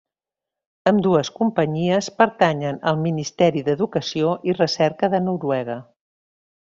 Ambdues companyies pertanyen al Ministeri d'Educació i Recerca de Noruega.